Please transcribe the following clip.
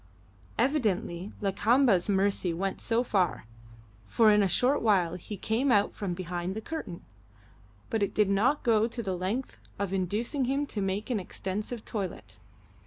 Evidently Lakamba's mercy went so far for in a short while he came out from behind the curtain but it did not go to the length of inducing him to make an extensive toilet.